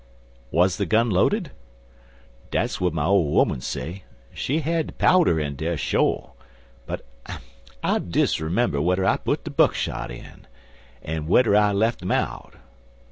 "Was the gun loaded?" "Dat's w'at my ole 'oman say. She had de powder in dar, sho', but I disremember wedder I put de buckshot in, er wedder I lef' um out.